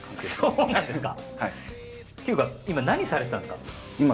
そうなんですよ。